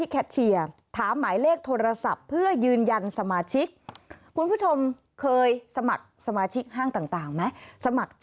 เคยสมัครสมาชิกห้างต่างไหม